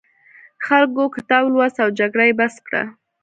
خلکو کتاب ولوست او جګړه یې بس کړه.